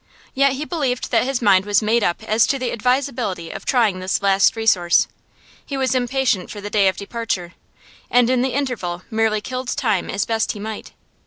Yet he believed that his mind was made up as to the advisability of trying this last resource; he was impatient for the day of departure, and in the interval merely killed time as best he might.